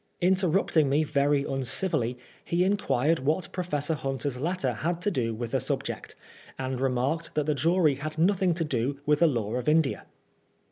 Jriter rupting me very uncivilly, he inquired what Professor Hunter's letter had to do with the subject, and re marked that the jury had nothing to do with the law of India.